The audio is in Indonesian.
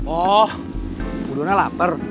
oh budona lapar